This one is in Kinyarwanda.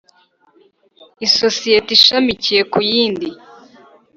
isosiyeti ishamikiye ku yindi